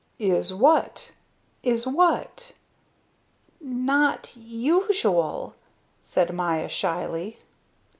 "Is what? Is what?" "Not usual," said Maya shyly.